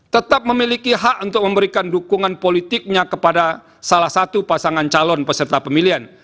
tetap memiliki hak untuk memberikan dukungan politiknya kepada salah satu pasangan calon peserta pemilihan